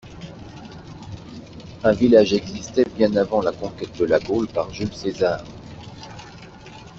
Un village existait bien avant la conquête de la Gaule par Jules César.